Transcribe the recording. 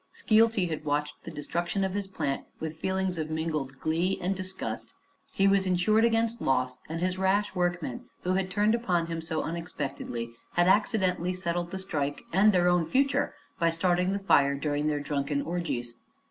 Skeelty had watched the destruction of his plant with feelings of mingled glee and disgust. He was insured against loss, and his rash workmen, who had turned upon him so unexpectedly, had accidentally settled the strike and their own future by starting the fire during their drunken orgies.